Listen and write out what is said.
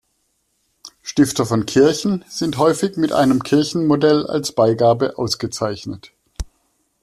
Stifter von Kirchen sind häufig mit einem Kirchenmodell als Beigabe ausgezeichnet.